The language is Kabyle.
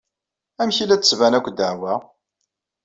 Amek i la d-tettban akk ddeɛwa?